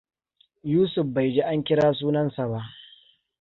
Yusuf bai ji an kira sunansa ba.